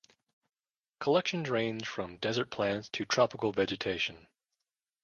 Collections range from desert plants to tropical vegetation.